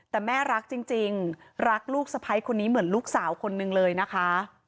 แต่แม่รักจริงรักลูกสะพ้ายคนนี้เหมือนลูกสาวคนนึงเลยนะคะ